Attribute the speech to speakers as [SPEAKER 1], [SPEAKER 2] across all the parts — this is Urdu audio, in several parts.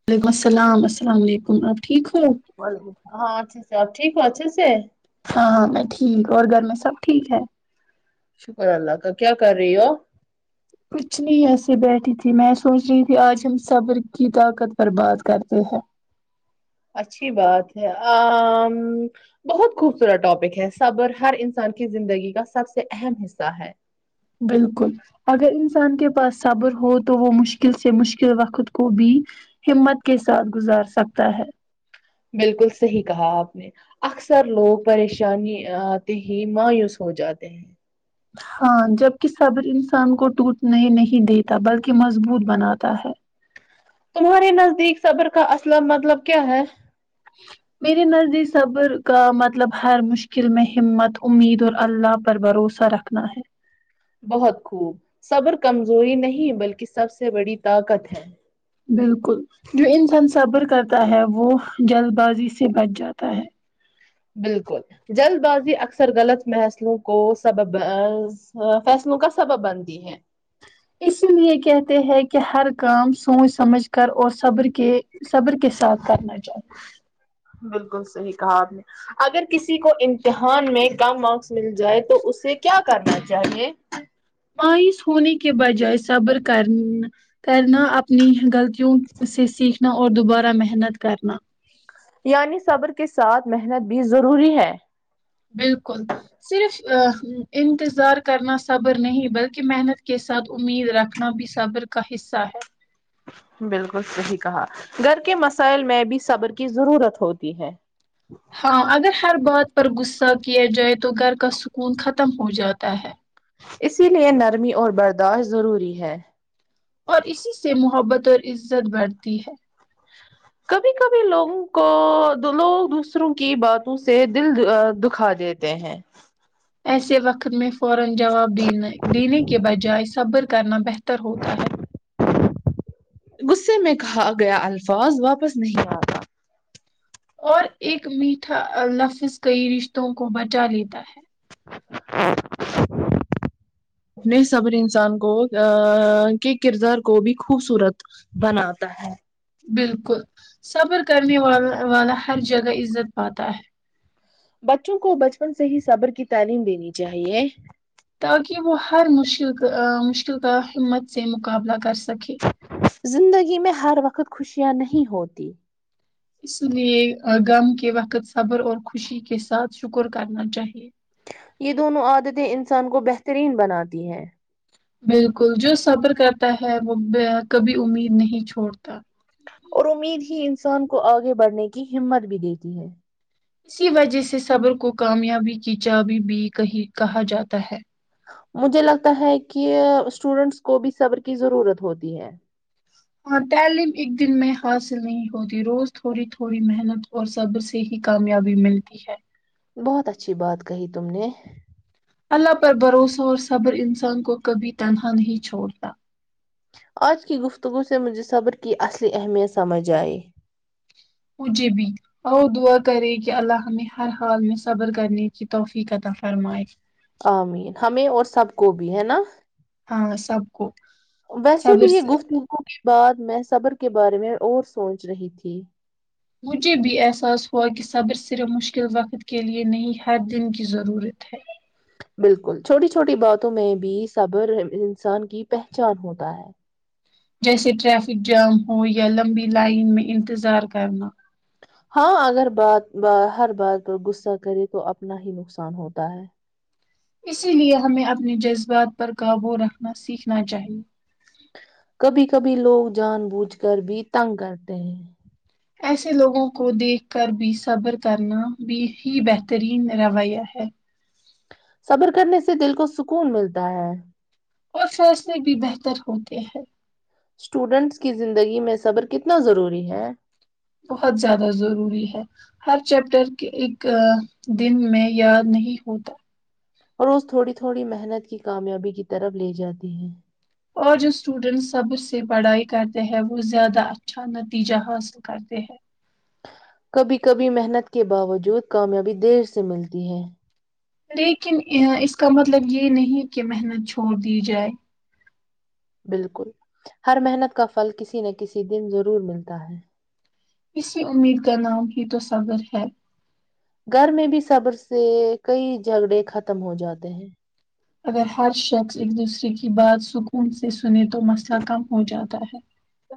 [SPEAKER 1] [unintelligible]
[SPEAKER 2] ب ہاں ا س ٹیک اچ س
[SPEAKER 1] ہاں ہاں میں ٹھیک اور گھر میں سب ٹھیک ہے
[SPEAKER 2] شکر اللہ کا کیا کر رہی ہو
[SPEAKER 1] کچھ نہیں ایسے بیٹھی تھی میں سوچ رہی تھی آج ہم صبر کی طاقت پر بات کرتے ہیں
[SPEAKER 2] اچھی بات ہے آ بہت خوبصورت ٹاپک ہے صبر ہر انسان کی زندگی کا سب سے اہم حصہ ہے
[SPEAKER 1] بالکل اگر انسان کے پاس صبر ہو تو وہ مشکل سے مشکل وقت کو بھی ہمت کے ساتھ گزار سکتا ہے
[SPEAKER 2] بالکل صحیح کہا آپ نے اکثر لوگ پریشانی آتے ہی مایوس ہو جاتے ہیں
[SPEAKER 1] ہاں جبک صبر انسان کو ٹوٹنے نہیں دیتا بلکہ مضبوط بناتا ہے
[SPEAKER 2] تمہارے نزدیک صبر کا اصل مطلب کیا ہے
[SPEAKER 1] جچ میرری نردی صبر کا مطلب ہر مشکل میں ہمت امید اور اللہ پر بروس صا رکھنا ہے
[SPEAKER 2] بہت خوب صبر کمزوری نہیں بلکہ سب سے بڑی طاقت ہے
[SPEAKER 1] بالکل جو انسان صبر کرتا ہے وہ جلد بازی سے بچ جاتا ہے
[SPEAKER 2] بالکل جلد بازی اکثر غلط محسلوں کو سببز فیصلوں کا سبب بنتی ہے
[SPEAKER 1] اسی لیے کہتے ہیں کہ ہر کام سوچ سمجھ کر اور صبر کے صبر کے ساتھ کرنا چاہیے
[SPEAKER 2] بالکل صحیح کہا آپ نے اگر کسی کو امتحان میں کم مارکس مل جائے تو اسے کیا کرنا چاہیے
[SPEAKER 1] مایوس ہونے کے بجائے صبر کر کرنا اپنی غلطی کیوں اسے سیکھنا اور دوبارہ محنت کرنا
[SPEAKER 2] یعنی صبر کے ساتھ محنت بھی ضروری ہے
[SPEAKER 1] بالکل صرف انتظار کرنا صبر نہیں بلکہ محنت کے ساتھ امید رکھ نا بھی صبر کا حصہ ہے
[SPEAKER 2] بالکل صحیح کہا گھر کے مسائل میں بھی صبر کی ضرورت ہوتی ہے
[SPEAKER 1] ہاں اگر ہر بات پر غصہ کیا جائے تو گھر کا سکون ختم ہو جاتا ہے
[SPEAKER 2] اسی لیے نرمی اور برداشت ضروری ہے
[SPEAKER 1] اور اسی سے محبت اور عزت بڑھتی ہے [inaudible]
[SPEAKER 2] کبھی کبھی لوگوں کو لوگ دوسروں کی باتوں سے دل دکھا دیتے ہیں
[SPEAKER 1] ایسے وقت میں فوراجواب دینے دینے کے بجائے صبر کرنا بہتر ہوتا ہے
[SPEAKER 2] غصے میں کہا گیا الفاظ واپس نہیں آ
[SPEAKER 1] اور ایک میٹھا لفظ کئی رشتوں کو بچا لیتا ہے
[SPEAKER 2] اپنے صبر انسان کو ا کے کردار کو بھی خوبصورت بناتا ہے
[SPEAKER 1] بالکل سفر کرنے والا والا ہر جگہ عزت پاتا ہے
[SPEAKER 2] بچوں کو بچپن سے ہی صبر کی تعلیم دینی چاہیے
[SPEAKER 1] تاکہ وہ ہر مشکل کا مشکل کا ہمت سے مقابلہ کر سکے
[SPEAKER 2] زندگی میں ہر وقت خوشیاں نہیں ہوت
[SPEAKER 1] اس لیے غم کے وقت صبر اور خوشی کے ساتھ شکر کرنا چاہیے
[SPEAKER 2] یہ دونوں عادتیں انسان کو بہترین بناتی ہیں
[SPEAKER 1] بالکل جو سفر کرتا ہے وہ کبھی امید نہیں چھوڑتا
[SPEAKER 2] اور امید ہی انسان کو آگے بڑھنے کی ہمت بھی دیتی ہے
[SPEAKER 1] اسی وجہ سے صبر کو کامیابی کی چابی بھی کہی کہا جاتا ہے
[SPEAKER 2] مجھے لگتا ہے کہ اسٹوڈینٹس کو بھی صبر کی ضرورت ہوتی ہے
[SPEAKER 1] ہاں تعلیم ایک دن میں حاصل نہیں ہوتی روز تھوڑی تھوڑی محنت اور سب سے ہی کامیابی ملتی ہے
[SPEAKER 2] بہت اچھی بات کہی تم نے
[SPEAKER 1] اللہ پر بھروسہ اور صبر انسان کو کبھی تنہا نہیں چھوڑتا
[SPEAKER 2] آج کی گفتگو سے مجھے صبر کی اصلی اہمیت سمجھ آئی
[SPEAKER 1] پھے بھی ا دعا کرے کہ اللہ نے ہر حال میں صبر کرنے کی توفیقتہ فرمائے
[SPEAKER 2] امین ہمیں اور سب کو بھی ہے نا
[SPEAKER 1] ہاں سب کو
[SPEAKER 2] ویسے
[SPEAKER 1] صبر
[SPEAKER 2] بھی یہ
[SPEAKER 1] سے
[SPEAKER 2] گفتگگ کے بعد میں صبر کے بارے میں اور سوچ رہی تھی
[SPEAKER 1] مجھے بھی احساس ہوا کہ صبر صرف مشکل وقت کے لیے نہیں ہر دن کی ضرورت ہے
[SPEAKER 2] بالکل چھوٹی چھوٹی باتوں میں بھی صبر انسان کی پہچان ہوتا ہے
[SPEAKER 1] جیسے ٹریفک جام ہو یا لمبی لائن میں انتظار کرنا
[SPEAKER 2] ہاں اگر بات ہر بات پر غصہ کرے تو اپنا ہی نقصان ہوتا ہے
[SPEAKER 1] اسی لیے ہمیں اپنے جذبات پر قابو رکھنا سیکھنا چاہیے
[SPEAKER 2] کبھی کبھی لوگ جان بوجھ کر بھی تنگ کرتے ہیں
[SPEAKER 1] ایسے لوگوں کو دیکھ کر بھی صبر کرنا بھی ہی بہترین رویہ ہے
[SPEAKER 2] صبر کرنے سے دل کو سکون ملتا ہے
[SPEAKER 1] اور فیصلے بھی بہتر ہوتے ہیں
[SPEAKER 2] اسٹوڈنٹس کی زندگی میں صبر کتنا ضروری ہے
[SPEAKER 1] بہت زیادہ ضروری ہے ہر چیپٹر کے ایک دن میں یاد نہیں ہوتا
[SPEAKER 2] اور اس تھوڑی تھوڑی محنت کی کامیابی کی طرف لے جاتی ہے
[SPEAKER 1] اور جو اسٹوڈینٹ سب سے پڑھائی کرتے ہے وہ زیادہ اچھا نتیجہ حاصل کرتے ہیں
[SPEAKER 2] کبھی کبھی محنت کے باوجود کامیابی دیر سے ملتی ہے
[SPEAKER 1] لیکن اس کا مطلب یہ نہیں کہ محنت چھوڑ دی جائے
[SPEAKER 2] بالکل ہر محنت کا فھل کسی نہ کسی دن ضرور ملتا ہے
[SPEAKER 1] کسی امید کا نام ہی تو صبر ہے
[SPEAKER 2] گھر میں بھی صبر سے کئی جھگڑے ختم ہو جاتے ہیں
[SPEAKER 1] اگر ہر شخص ایک دوسرے کی بات سکون سے سن تو مسئلہ کم ہو جاتا ہے
[SPEAKER 2] تو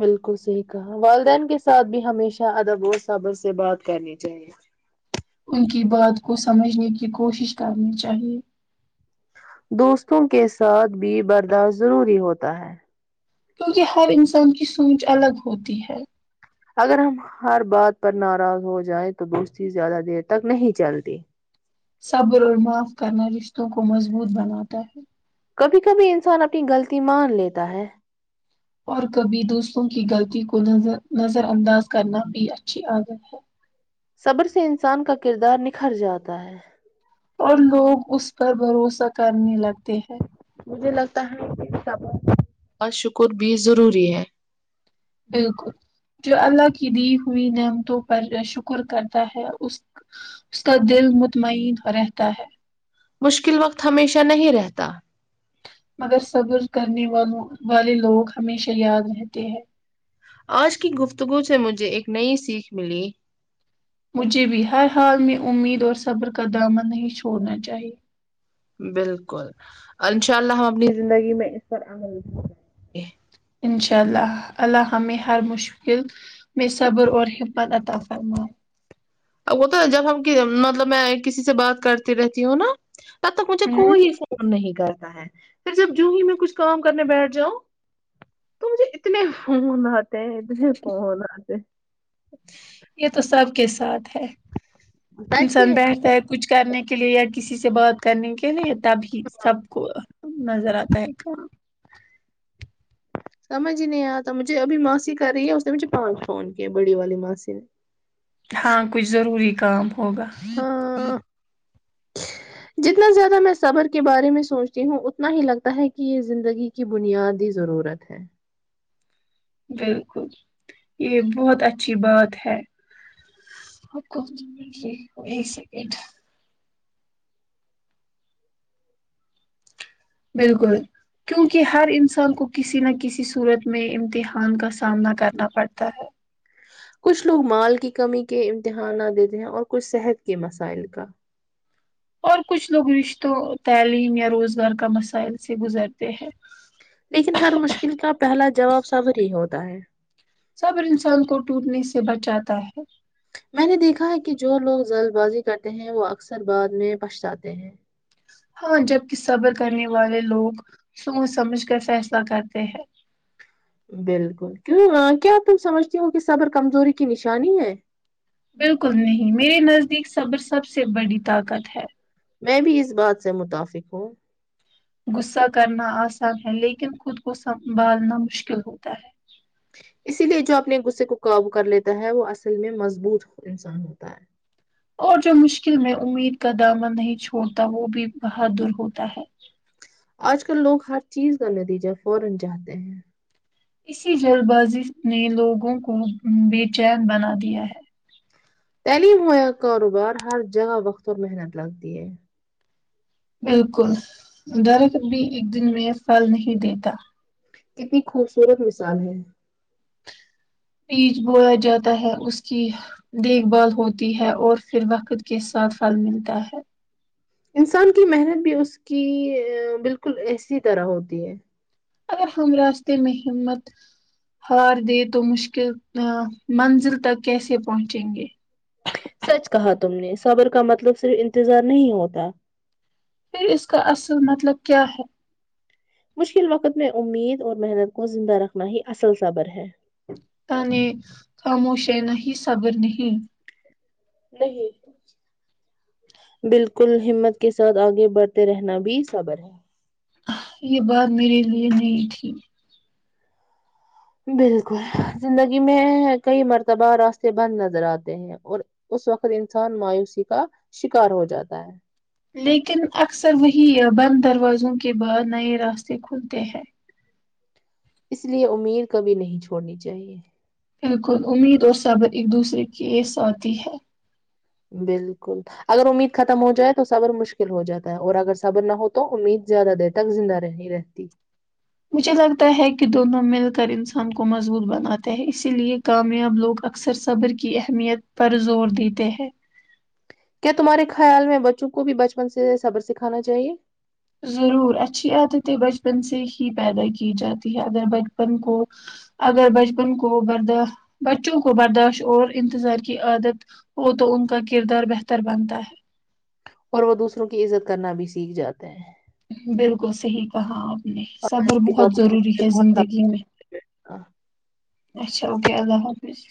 [SPEAKER 2] بالکل صحیح کہا والدین کے ساتھ بھی ہمیشہ ادب و صبر سے بات کرنی چاہیے
[SPEAKER 1] ان کی بات کو سمجھنے کی کوشش کرنی چاہیے
[SPEAKER 2] دوستوں کے ساتھ بھی برداشت ضروری ہوتا ہے
[SPEAKER 1] کیونکہ ہر انسان کی سوچ الگ ہوتی ہے
[SPEAKER 2] اگر ہم ہر بات پر ناراض ہو جائیں تو دوستی زیادہ دیر تک نہیں چلتی
[SPEAKER 1] صبر اور معاف کرنا رشتوں کو مضبوط بناتا ہے
[SPEAKER 2] کبھی کبھی انسان اپنی غلطی مان لیتا ہے
[SPEAKER 1] اور کبھی دوسروں کی غلطی کو نظر نظر انداز کرنا بھی اچھی عادت ہے
[SPEAKER 2] صبر سے انسان کا کردار نکھر جاتا ہے
[SPEAKER 1] اور لوگ اس پر بھروسہ کرنے لگتے ہیں
[SPEAKER 2] مجھے لگتا ہے کہ کب کا شکر بھی ضروری ہے
[SPEAKER 1] بالکل جو اللہ کی دی ہوئی نعمتوں پر شکر کرتا ہے اس اس کا دل مطمئن رہتا ہے
[SPEAKER 2] مشکل وقت ہمیشہ نہیں رہتا
[SPEAKER 1] مگر صبر کرنے والوں والے لوگ ہمیشہ یاد رہتے ہیں
[SPEAKER 2] آج کی گفتگو سے مجھے ایک نئی سیکھ ملی
[SPEAKER 1] مجھے بھی ہر حال میں امید اور صبر کا دامن نہیں چھوڑنا چاہیے
[SPEAKER 2] بالکل انشاء اللہ ہم اپنی زندگی میں اس پر عمل ہیں
[SPEAKER 1] انشاء اللہ اللہ ہمیں ہر مشکل [unintelligible]
[SPEAKER 2] وہ تو جب ہم مطلب میں کسی سے بات کرتی رہتی ہوں نا تب تک مجھے
[SPEAKER 1] ہوں
[SPEAKER 2] کوئی نہیں کرتا ہے پھر جب جو ہی میں کچھ کام کرنے بیٹھ جاؤ تو مجھے اتنے فون آتے ہیں اتنے فون آتے
[SPEAKER 1] یہ تو سب کے ساتھ ہے
[SPEAKER 2] سچ
[SPEAKER 1] انسان
[SPEAKER 2] میں
[SPEAKER 1] بیٹھتا ہے کچھ کرنے کے لیے یا کسی سے بات کرنے کے لیے تبھی سب کو نظر آتا ہے کا [unintelligible]
[SPEAKER 2] سمجھ ہی نہیں آتا مجھے ابھی ماسی کر رہی ہے اس نے مجھے پانچ فون کیا بڑی والی ماسی نے
[SPEAKER 1] ہاں کچھ ضروری کام ہوگا
[SPEAKER 2] ہاں جتنا زیادہ میں صبر کے بارے میں سوچتی ہوں اتنا ہی لگتا ہے کہ یہ زندگی کی بنیاد کی ضرورت ہے [unintelligible]
[SPEAKER 1] بالکل یہ بہت اچھی بات ہے [unintelligible] آب ک ایک سیکنڈ بالکل [unintelligible] کیوںکہ ہر انسان کو کسی نہ کسی صورت میں امتحان کا سامنا کرنا پڑتا ہے
[SPEAKER 2] کچھ لوگ مال کی کمی کے امتحان نہ دیتے ہیں اور کچھ صحت کے مسائل کا [unintelligible]
[SPEAKER 1] اور کچھ لوگ رشتوں تعلیم یا روزگار کا مسائل سے گزر ہیں [inaudible]
[SPEAKER 2] لیکن ہر مشکل کا پہلا جواب صبر ہی ہوتا ہے
[SPEAKER 1] سب انسان کو ٹوٹنے سے بچاتا ہے
[SPEAKER 2] میں نے دیکھا ہے کہ جو لوگ جلد بازی کرتے ہیں وہ اکثر بعد میں پچتاتے ہیں
[SPEAKER 1] ہاں جبک صبر کرنے والے لوگ سوچ سمجھ کر فیصلہ کرتے ہیں
[SPEAKER 2] بالکل کیوں کیا تم سمجھتی ہو کہ صبر کمزوری کی نشانی ہے
[SPEAKER 1] بالکل نہیں میرے نزدیک صبر سب سے بڑی طاقت ہے
[SPEAKER 2] میں بھی اس بات سے متفق ہوں
[SPEAKER 1] غصہ کرنا آسان ہے لیکن خود کو سنبھالنا مشکل ہوتا ہے [unintelligible]
[SPEAKER 2] اسی لیے جو اپنے غصے کو قابو کر لیتا ہے وہ اصل میں مضبوط انسان ہوتا ہے
[SPEAKER 1] اور جو مشکل میں امید کا دامن نہیں چھوڑتا وہ بھی بہت دور ہوتا ہے
[SPEAKER 2] آج کل لوگ ہر چیز کا نتیجہ فوران چاہتے ہیں
[SPEAKER 1] اسی جلد بازی نے لوگوں کو بے چین بنا دیا ہے
[SPEAKER 2] تعلیم ہویا کاروبار ہر جگہ وقت اور محنت لگتی ہے
[SPEAKER 1] بالکل درخت بھی ایک دن میں پھل نہیں دیتا
[SPEAKER 2] کتنی خوبصورت مثال ہے
[SPEAKER 1] بییچ بویا جاتا ہے اس کی دیکھ بھال ہوتی ہے اور پھر وقت کے ساتھ پھل ملتا ہے
[SPEAKER 2] انسان کی محنت بھی اس کی بالکل ایسی طرح ہوتی ہے
[SPEAKER 1] اگر ہم راستے میں ہمت [unintelligible] ہار دے تو مشکل منزل تک کیسے پہنچیں گے [unintelligible]
[SPEAKER 2] سچ کہا تم نے صبر کا مطلب صرف انتظار نہیں ہوتا
[SPEAKER 1] پھر اس کا اصل مطلب کیا ہے
[SPEAKER 2] مشکل وقت میں امید اور محنت کو زندہ رکھنا ہی اصل صبر ہے
[SPEAKER 1] ت نے خاموشیانا ہی صابر نہیں [unintelligible]
[SPEAKER 2] نہیں [inaudible] بالکل ہمت کے ساتھ آگے بڑھتے رہنا بھی صبر ہے
[SPEAKER 1] یہ بات میرے لیے نہیں تھی
[SPEAKER 2] بالکل زندگی میں کئی مرتبہ راستے بند نظر آتے ہیں اور اس وقت انسان مایوسی کا شکار ہو جاتا ہے
[SPEAKER 1] لیکن اکثر وہی بند دروازوں کے بعد نئے راستے کھلتے ہیں
[SPEAKER 2] اس لیے امیر کبھی نہیں چھوڑنی چاہیے
[SPEAKER 1] بالکل امید اور صبر ایک دوسرے کی ایس آتی ہے
[SPEAKER 2] بالکل اگر امید ختم ہو جائے تو صبر مشکل ہو جاتا ہے اور اگر صبر نہ ہو تو امید زیادہ دیتا تک زندہ رہ نہیں رہتی [unintelligible]
[SPEAKER 1] مجھے لگتا ہے کہ دونوں مل کر انسان کو مضبوط بناتے ہیں اسی لیے کامیاب لوگ اکثر صبر کی اہمیت پر زور دیتے ہیں
[SPEAKER 2] کیا تمہارے خیال میں بچوں کو بھی بچپن سے صبر سکھانا چاہیے
[SPEAKER 1] ضرور اچھی عادتیں بچپن سے ہی پیدا کی جاتی ہے اگر بچپن کو اگر بچپن کو بردا بچوں کو برداشت اور انتظار کی عادت وہ تو ان کا کردار بہتر بنتا ہے
[SPEAKER 2] اور وہ دوسروں کی عزت کرنا بھی سیکھ جاتے ہیں
[SPEAKER 1] بالکل صحیح کہا آپ نے
[SPEAKER 2] اور
[SPEAKER 1] صبر
[SPEAKER 2] آج کے
[SPEAKER 1] بہت ضروری
[SPEAKER 2] ٹاپک
[SPEAKER 1] زندگی میں اچھا اوکے اللہ حافظ